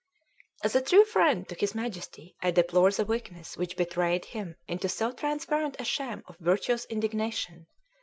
As a true friend to his Majesty, I deplore the weakness which betrayed him into so transparent a sham of virtuous indignation.